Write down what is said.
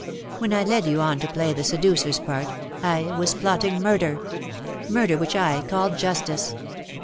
When I led you on to play the seducer''s part, I was plot ting murder — murder which I called justice.